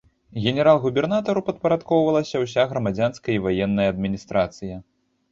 Генерал-губернатару падпарадкоўвалася ўся грамадзянская і ваенная адміністрацыя.